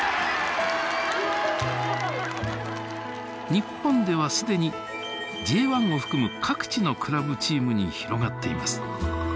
日本ではすでにＪ１を含む各地のクラブチームに広がっています。